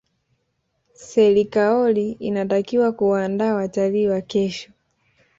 serikaoli inatakiwa kuwaandaa watalii wa kesho